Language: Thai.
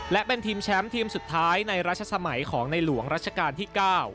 และเป็นทีมแชมป์ทีมสุดท้ายในรัชสมัยของในหลวงรัชกาลที่๙